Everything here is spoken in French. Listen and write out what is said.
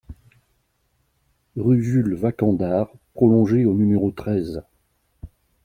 Rue Jules Vacandard Prolongée au numéro treize